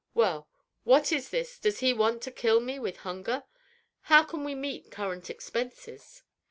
Well, what is this; does he want to kill me with hunger? How can we meet current expenses?"